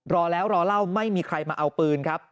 รอแล้วรอเล่าไม่มีใครมาเอาปืนครับ